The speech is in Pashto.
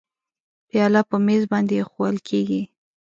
پیاله په میز باندې اېښوول کېږي.